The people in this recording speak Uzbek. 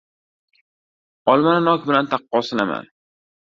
• Olmani nok bilan taqqoslama.